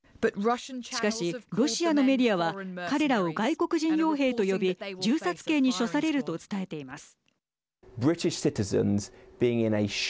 しかし、ロシアのメディアは彼らを、外国人よう兵と呼び銃殺刑に処されると伝えています。